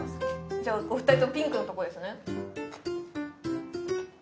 じゃあお二人ともピンクのとこですね